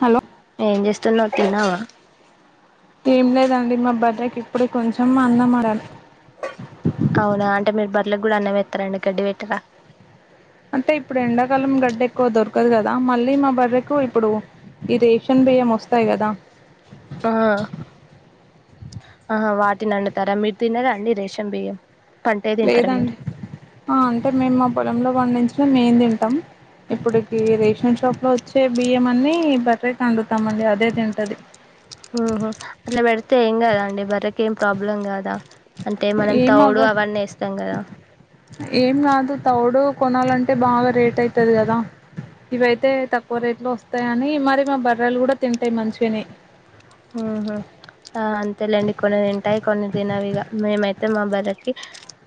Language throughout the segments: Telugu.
హలో ఏం చేస్తున్నావు తినవా ఏం లేదండి మా బర్రె కి ఇప్పుడే కొంచెం అన్నం వండాలే అవునా అంటే మీరు బర్రెలకి కూడా అన్నము పెతారండి గడ్డి పెట్టరా అంటే ఇప్పుడు ఎండాకాలం ఎక్కువ దొరకదు కదా మళ్ళీ మా బర్రకు ఇప్పుడు ఈ రేషన్ బియ్యం వస్తాయి కదా ఆ ఆహా వాటిని వండుతారా మీరు తినరా అండి రేషన్ బియ్యం పంటే తింటారా లేదండి మీరు అంటే మేము మా పొలంలో పండించిన మేం తింటాం ఇప్పుడుకి రేషన్ షాప్ లో వచ్చే బియ్యం అన్ని బటరేకి వండుతాము అండి అదే తింటది ఓహో అట్లా పెడితే ఏం కదా అండి బర్రకి ఏం ప్రాబ్లం కాదా అంటే మనం ఏం తౌడు అవ్వ అవన్ని వేస్తాం కదా ఏం కాదు తౌడు కొనాలంటే బాగా రేట్ అయితది కదా ఇవయితే తక్కువ రేట్ లో వస్తాయ అని మరి మా బర్రలు కూడా తింటాయి మంచిగనే ఉహు ఆ అంతేలేండి కొన్ని తింటాయి కొన్ని తినవిగా మేమైతే మా బర్రకి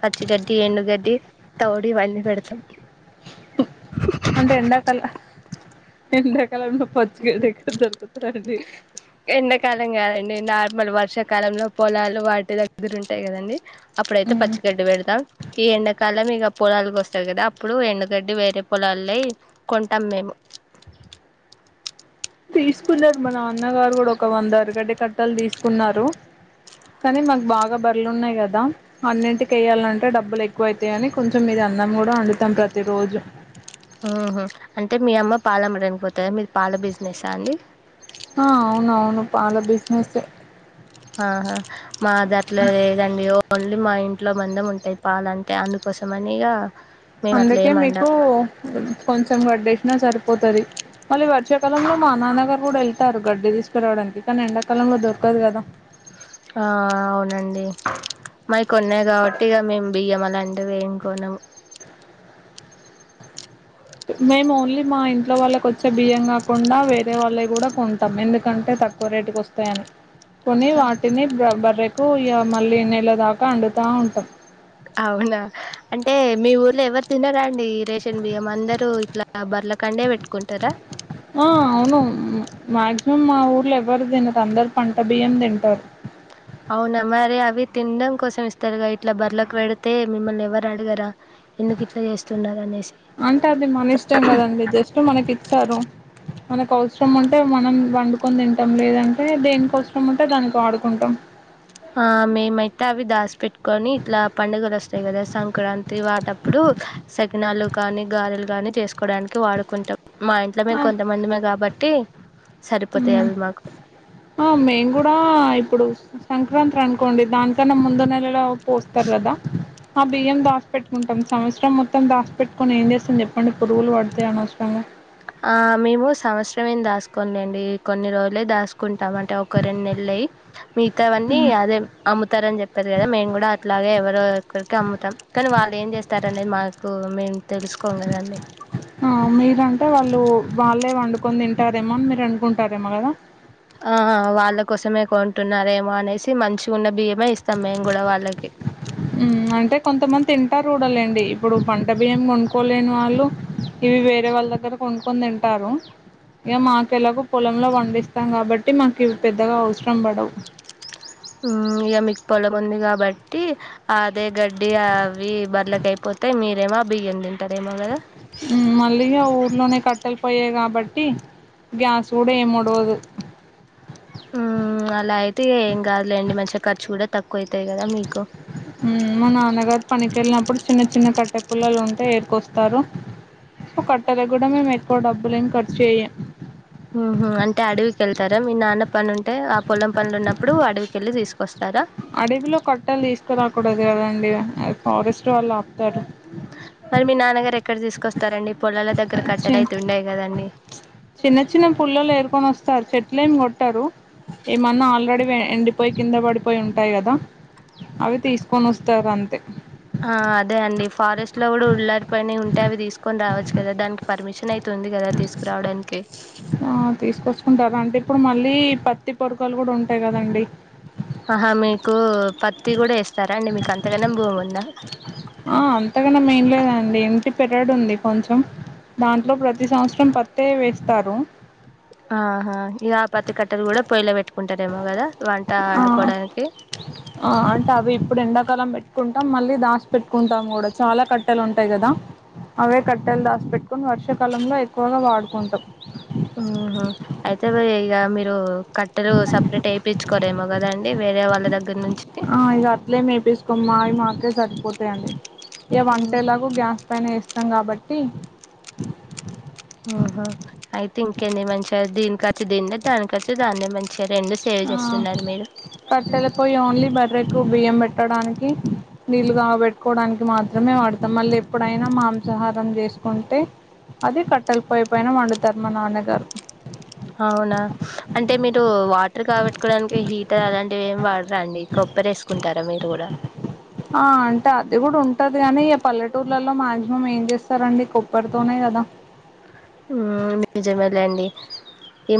పచ్చిగడ్డి ఎండుగడ్డి తౌడి ఇవన్నీ పెడతాం అంటే ఎండాకాల ఎండాకాలంలో పచ్చి గెడ్డి ఎక్కడ దొరు ఎండాకాలం కాదండి నార్మల్ వ వర్షాకాలంలో పొలాలు వాటి దగ్గర ఉంటాయి కదండీ అప్పుడైతే పచ్చిగడ్డి పెడతా ఈ ఎండాకాలం ఇగ పొలాలకి వస్తాది కదా అప్పుడు ఎండుగడ్డి వేరే పొలాల అయి కొంటాం మేము తీసుకున్నారు మా నాన్నగారు కూడా ఒక వంద ఎరగడ్డ కట్టలు తీసుకున్నారు కానీ మాకు బాగా బర్లున్నాయ్ కదా అన్నింటికి వేయాలంటే డబ్బులు ఎక్కువ అయితాయని కొంచెం ఇది అన్నం కూడా వండుతాం ప్రతిరోజు ఆహా అంటే మీ అమ్మ పాలమ్మటనికి పోతుందా మీది పాల బిజినెస్సా అండి హా అవునువును పాల బిజినెస్ ఎ ఆహా మాదట్ల లేదండి ఓన్ మళ్ళీ మా ఇంట్లో మందం ఉంటాంది పాలంటే అందుకోసమనే ఇగ మేము అట్లా అందుకే ఏం అండం మీకు కొంచం వడ్డేసినా సరిపోతది మళ్ళీ వర్షాకాలంలో మా నాన్నగారు కూడా ఎల్ తారు గడ్డి తీసుకురావడానికి కానీ ఎండాకాలంలో దొరకదు కదా ఆ ఆ అవునండి మావి కొన్నే కాబట్టి ఇగ మేము బియ్యం అలాంటివి ఏం కోనము మేము ఓన్లీ మా ఇం ఇంట్లో వాళ్ళకి వచ్చే బియ్యం కాకుండా వేరే వాళ్ళే కూడా కొంటాం ఎందుకంటే తక్కువ రేటుకి వస్తాయని కొని వాటిని బర్రకు ఇయె మళ్ళీ నెల దాకా వండుతూ ఉంటాం అవునా అంటే మీ ఊర్లో ఎవరు తినారా అండి రేషన్ బియ్యం అందరు ఇట్లా బర్ల కండే పెట్టుకుంటారా ఆ అవును మాక్సిమం మా ఊర్లో ఎవరు తినరు అందరు పంట బియ్యం తింటారు అవునా మరి అవి తిన్డం కోసం ఇస్తారుగా ఇట్లా బర్రలకి పెడితే మిమ్మల్ని ఎవరు అడగరా ఎందుకు ఇట్లా చేస్తున్నారు అనేసి అంటే అది మన ఇష్టం కదండడి జస్ట్ మనకి ఇచ్చారు మనకు అవసరం ఉంటే మనం వండుకొని తింటాం లేదంటే దేనేకి అవస ఏం అంటే దానికి వాడుకుంటాం ఆ మేమైతే అవి దాసి పెట్టుకొని ఇట్లా పండుగలు వస్తాయి కదా సంక్రాంతి వాటప్పుడు సకినాలు కాని గారలు కానీ చేసుకోవడానికి వాడుకుంటా మా ఇంట్లో మేము కొంతమందిమే కాబట్టి సరిపోతాయి హ్మ్ అవి మాకు ఆ మేము కూడా ఇప్పుడు సంక్రాంతి అనుకోండి దానికన్నా ముందు నెలలో పోస్తారు కదా ఆ బియ్యం దాసి పెట్టుకుంటాం సంవత్సరం మొత్తం దాసి పెట్టుకుని ఏం చేస్తాం చెప్పండి పురుగులు పడతాయి అనవసరంగా ఆ మేము సంవత్సరం ఏం దాసుకోంలేండి కొన్ని రోజులే దాసుకుంటాం అంటే ఒక రెండు నెల్లే డి మిగతావన్నీ అదే అమ్ముతారని చెప్పారు కదా మేము కూడా అట్లాగే ఎవరో ఒకరికి అమ్ముతాం కానీ వాళ్ళు ఏం చేస్తారనేది మాకు మేము తెలుసుకోం కదండి ఆ మీరంటే వాళ్ళు వాళ్ళే వండుకొని తింటారేమో అని మీరు వండుకుంటారేమో కదా ఆ వాళ్ళ కోసమే కొంటున్నారేమో అనేసి మంచి ఉన్న బియ్యం హ్మ్ అంటే కొంతమంది తింటారు [unintelligible] లేండి ఇప్పుడు పంట బియ్యం కొనుక్కోలేను వాళ్ళు ఇవి వేరే వాళ్ళ దగ్గర కొనుకుని తింటారు ఇగ మాకెలాగ పొలంలో పండిస్తాం కాబట్టి మాకు ఇవి పెద్దగా అవసరం పడవు ఉమ్ ఇగ మీకు పొలం ఉంది కాబట్టి అదే గడ్డి అవి బర్లకైయిపోతే మీరేమో బియ్యం తింటారేమో కదా మళ్ళీగా ఊర్లోనే కట్టలు పోయై కాబట్టి గ్యాస్ కూడా ఏమోడ్ డోదు ఉమ్ అలా అయితే ఏం కాదులేండి మంచిగా ఖర్చు కూడా తక్ ఉమ్ మా నాన్నగారు పనికినికేళ్ళినప్పుడు చిన్న చి చిన్న కట్టె పల్లలు ఉంటే ఎరుకొస్తారు సో కట్టలగూడా మేము ఎక్కువ డబ్బులేం ఖర్చు చేయ్యాం ఉహు అంటే అడవికేళ్తారా మీ నాన్న పను ఉంటే ఆ పొలం పనులు ఉన్నప్పుడు అడవికెళ్ళి తీసుకొస్ అడవిలో కొట్టలు తీసుకురాకూడదు కదండి ఫారెస్ట్ వాళ్ళు ఆపుతారు మరి మీ నాన్నగారు ఎక్కడ తీసుకొస్తారండి పొలాల దగ్గర చి కట్టలు అయితే ఉండయి కదండి చిన్న చిన్న పుల్లలు ఏరుకొనోస్తారు చెట్లు ఏమి కొట్టారు ఏమన్నా ఆల్రెడీ వే ఎండిపోయి కింద పడిపోయి ఉంటాయి కదా అవి తీసుకొనోస్తారు అంతే ఆ అదే అండి ఫారెస్ట్ లో కూడా ఉళ్లారి పని ఉంటే అవి తీసుకొని రావచ్చు కదా దానికి పర్మిషన్ అయి ఆ తీసుకొచ్చుకుంటారూ అంటే ఇప్పుడు మళ్ళీ పత్తి పొరకాలు గుడుంటాయి కదండి ఆహా మీకు పత్తి కూడా ఏస్తారా అండి మీకు అంతగణం భూమి ఉందా ఆ అంతగణం ఏం లేదండి ఇంటి పెరడు ఉంది కొంచెం మంట్లో ప్రతి సంవత్సరం పత్తే వేస్తారు ఆహా ఇగ ఆ పత్తి కట్టలు కూడా పొయ్యిలో పెట్టుకుంటారేమో కదా వంట ఆ వండుకోవడానికి ఆ అంటే అవి ఇప్పుడు ఎండా కలం పెట్టుకుంటాం మళ్ళీ దాసిపేట్టుకుంటాం కూడా చాలా కట్టెలు ఉంటాయి కదా అవే కట్టెలు దాస్ పెట్టుకోని వర్షకాలంలో అయి కోన వాడుకుంటాం తే ఇగ మీరు కట్టెలు సపరేట్ ఏపీచుకోరేగదండీ వేరే వాళ్ళ దగ్గర నుంచి ఆ ఇగ అట్లే ఏపిసుకోమ్మాయి మాక్కే సరిపోతాయండి ఇగ వంటేలాగ గ్యాస్ పైన వేస్తాం కాబట్టి ఆహా అయితే ఇంకేంది మంచిగాది దీనికి కచ్చి దీన్నే దానికి కచ్చ దాన్నే మంచి ఆ కట్టెల పోయి ఓన్లీ బర్రెకు బియ్యం పెట్టడానికి నీళ్ళుగాబెట్టుకోవడానికి మాత్రమే వాడతాం మళ్ళీ ఎప్పుడైనా మాంసాహారం చేసుకుంటే అది కట్టలపొయ్యి పైన వండుతారు మా నాన్నగారు అవునా అంటే మీరు వాటర్ కాబట్టుకోవడానికి హీటర్ అలాంటివి ఏమి వాడరా అండి ప్పరేసుకుంటారా మీరు కూడా ఆ అంటే అది కూడా ఉంటది గానీ ఈగ పల్లెటూర్లలో మాక్సిమం ఏం చేస్తారండి కుప్పరితోనే కదా మ్మ్ నిజమేలేండి ఈ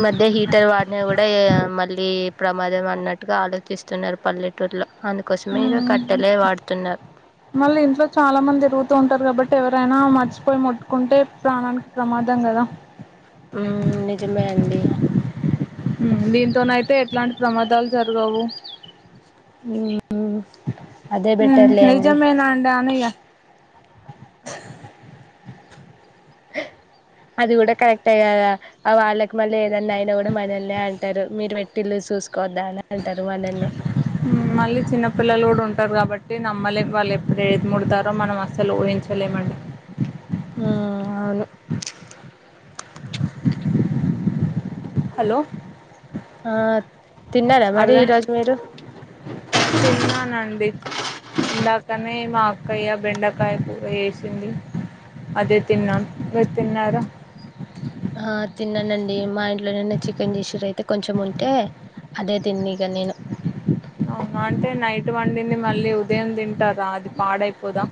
ఈ ప్రమాదం అన్నట్టుగా ఆలోచిస్తున్నారు పల్లెటుర్లో ఉమ్ మళ్ళీ ఇంట్లో చాలా మంది రుగుతు ఉంటరు కాబట్ టీ ఎవరైనా మర్చిపోయి ముట్టుకుంటే ప్రాణానికి ప్రమాదం కదా ఉ నిజమే అండి ఉమ్ దీంతోనైతే ఎట్లాంటి ప్రమాదాలు జరగవు ఉమ్ అదే ఉమ్ బెటర్లేండి నిజమేనాండాను ఇగ [unintelligible] అది కూడా కరెక్టే కదా ఆ వాళ్ళకి మళ్ళీ ఏదన్నా అయినా కూడా మనల్నే అంటారు మీరు పెట్టిలు సు సుసుకోవధనే అంటారు మనల్నే మళ్ళీ చిన్నపిల్లలు కూడా ఉంటారు కాబట్టి నమ్మలేం వాళ్ళు ఎప్పుడు ఏదు మూడుతారో మనం అస్సలు ఊహించలేమండి ఉ అవును హలో ఆ తిన్నారా మరి ఈరోజు మీరు తిన్నానండి ఇందాక మే మా అక్కయ్య బెండకాయ కూర చేసింది అదే తిన్నాం మీరు తిన్నార ఆ తిన్నానండి మా ఇంట్లో నిన్న చికెన్ జేసిర్రు అయితే కొంచెం ఉంటే అదే తిన్న ఇగ నేను అవున అంటే నైట్ వండింది మళ్ళీ ఉదయం తింటారు గా అది పాడైపోదా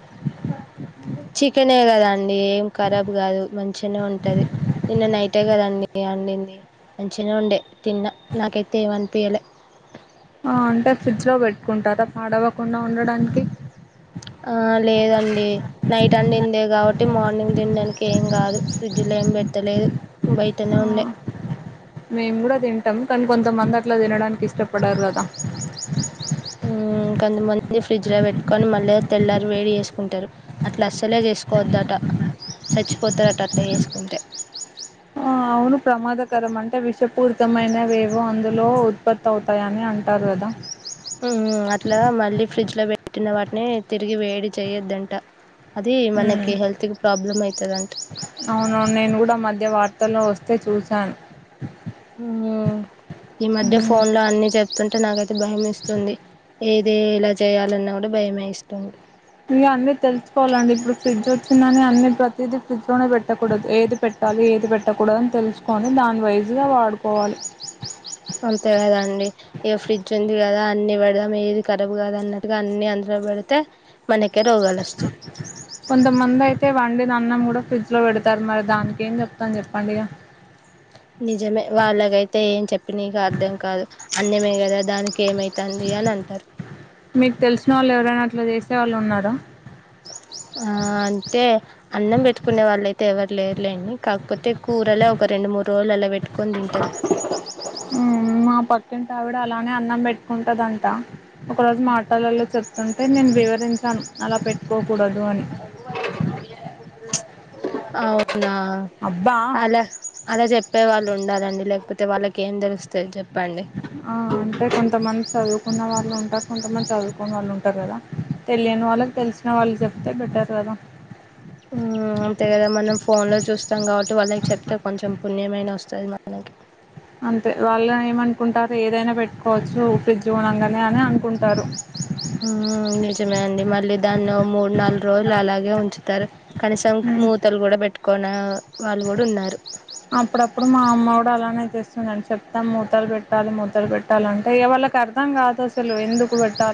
చికెనే కదా ఏం ఖరాబ్ కాదు మంచిగానే ఉంటది నిన్న నైటే కదండి అండింది మంచిగా ఉండే తిన్నా నాకైతే ఏమనిపియలే అంటే ఫ్రిడ్జ్ లో పెట్టుకుంటరా పాడవ్వకుండా ఉండడానికి ఆ లేదండి నైట్ అండిందే కాబట్టి మార్నింగ్ తినడానికి ఏం కాదు ఫ్రిడ్జ్ లో ఏం పెట్టలేదు బయటనే ఆ, ఉండే మేము కూడా తింటాం కానీ కొంతమంది అట్లా తినడానికి ఇష్టప ఉ కొంతమంది ఫ్రిడ్జ్ లో పెట్టుకొని మళ్ళీ తెల్లారి వేడి చేసుకుంటరు అట్లా అస్సలే చేసుకోవద్దట చచ్చిపోతరట అట్ట చేసుకుంటే అవును ప్రమాదకరం అంటే విషపూరితమైన వేవో అందులో ఉత్పత్తి అవుతాయని అంటారు వృధ మ్మ్ అట్లా మళ్ళీ ఫ్రిడ్జ్ లో పెట్టిన వాటిని తిరిగి వేడి చేయొద్దంట అది ఉమ్ మనకి హెల్త్ కి ప్రాబ్లం అయితదంట తలో వస్తే చూశాను ఈ మధ్య ఉమ్, ఫోన్ లో అన్ని చే స్తుంటే నాకైతే భయం ఏస్తుంది ఏది ఇలా చేయాలన్నా కూడా భయమేస్తుంది ఇగ అన్నీ తెలుసుకోవాలండి ఇప్పుడు ఫ్రిడ్జ్ వచ్చిందని అన్ని ప్రతిదీ ఫ్రిడ్జ్ లోనే పెట్టకూడదు ఏది పె ట్టాలి ఏది పెట్టకూడదు అని తెలుసుకొని దాని వైజ్గా వాడుకోవాలి అంతే కదాండి ఇక ఫ్రిడ్జ్ ఉంది కదా అన్ని పెడదాం ఏది ఖరాబ్ కాదు అన్నట్టుగా అన్ని అందు లో బడతే మనక రోగలోస్తాయి వండి నా అన్నం కూడా ఫ్రిడ్జ్ లో పెడతారు మరి దానికి ఏం చెప్తాం చెప్పండి ఇగ నిజమే వాళ్ళకైతే ఏం చెప్పి నీకు అర్థం కాదు అన్నమే కదా దానికి ఏమైతుంది అని అంటారు మీకు తెలిసిన వాళ్ళు ఎవరైనా అట్ల చేసేవాళ్ళు ఉన్నారా ఆ అంటే అన్నం పెట్టుకునే వాళ్ళ అయితే ఎవరు లేరులేండి కాకపోతే కూరలే ఒక రెండ్ రెండు మూడు రోలు అలా పెట్టుకొని తింటరు పక్కిటావిడ అలానే అన్నం పెట్టుకుంటదంట ఒక రోజు మాటలలో చెప్తుంటే నేను వివరించాను అలా పెట్టుకోకూడదు అని అవునా అబ్బా అలా అలా చెప్పేవ ఉండాలండి లేకపోతే వాళ్ళకి ఏం తెలుస్ ఆ అంటే కొంత మంది చదువు కున్న వాళ్ళు ఉంటారు కొంతమంది చదువుకోని వాళ్ళు ఉంటారు కదా తెలియని వాళ్ళకి తెలిసిన వాళ్ళు చెప్తే బెటర్ కదా వ అంతే కదా మనం ఫోన్ లో చూస్తాం కాబట్టి వాళ్ళకి చెప్తే కొంచెం పుణ్యమైన వస్తది మనకి అంతే వాళ్ళు ఏమనుకుంటారు ఏదైనా పెట్టుకోవచ్చు ఫ్రిడ్జ్ కొన్నంగా నిజమే అండి మళ్ళీ దాన్ని మూడు నాలు రోలు అలాగే ఉంచుతారు కనీసం ఉమ్ మూతలు కూడా పెట్టుకోన వాళ్ళు కూడా ఉన్నారు అప్పుడప్పుడు మా అమ్మ కూడా అలానే తేస్తుందని చెప్తాం మూతలు పెట్టాలి మూతలు పెట్టాల అంటే ఇగ వాళ్ళకి అర్థం కాదు అసలు ఎందుకు పెట్టా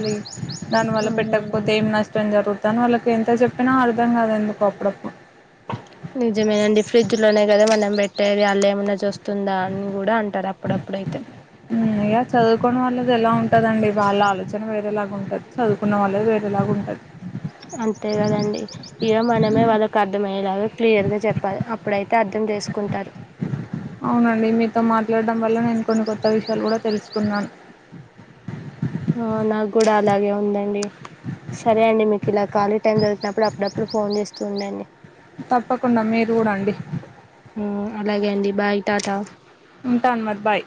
దానివల్ల మ్మ్ పెట్టకపోతే ఏం నష్టం జరుగుతుంది తను వాళ్ళకి ఎంత చెప్పినా అర్థం కాదు ఎందుకో అప్పుడప్పుడు నిజమేనండి ఫ్రిడ్జ్ లోనే కదా మనం పెట్టేది ఆళ్ళు ఏమన్నా చూస్ తుందా అని కూడా అంటారు అప్పుడప్పుడైతే కదండి వాళ్ళ ఆలోచన వేరేలాగా ఉంటది చదువుకున్న వాళ్ళ వేరేలాగా ఉంటది అంతే కదండి ఇగ మనమే వాళ్ళకి అర్థమయ్యేలాగా క్లియర్ గా చెప్పాలి అప్పుడైతే అర్థ ందేసుకుంటారు అవునండి మీతో మాట్లాడడం వల్ల నేను కొన్ని కొత్త విషయాలు కూడా తెలుసుకున్నాను ఆ నాకు కూడా అలాగే ఉందండి సరే అండి మీ ఇలా కాలి టైం దొరికినప్పుడు అప్పుడప్పుడు ఫోన్ చేస్తూ ఉండండి తప్పకుండా మీరు కూడా అండి అలాగే అండి బాయ్ టాట ఉంటాను మరి బాయ్